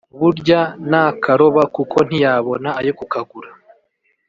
Burya n’akaroba kuko ntiyabona ayo kukagura